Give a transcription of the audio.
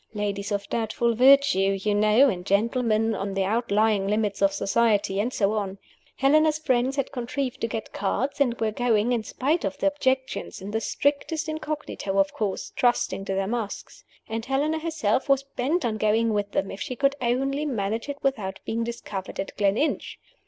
Ladies of doubtful virtue, you know, and gentlemen on the outlying limits of society, and so on. Helena's friends had contrived to get cards, and were going, in spite of the objections in the strictest incognito, of course, trusting to their masks. And Helena herself was bent on going with them, if she could only manage it without being discovered at Gleninch.